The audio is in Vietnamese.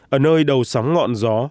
ở nơi đầu sóng ngọn gió